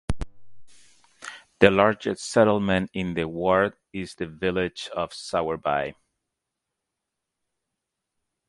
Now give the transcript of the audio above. The largest settlement in the ward is the village of Sowerby.